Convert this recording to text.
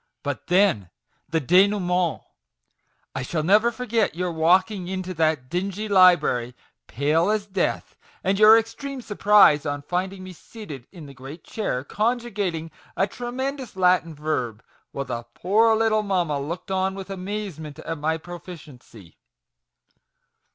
But then the denouement ! I shall never forget your walking into that dingy library, pale as death, and your extreme surprise on finding me seated in the great chair, conjugating a tremendous Latin verb, while the poor little mamma looked on with amazement at my proficiency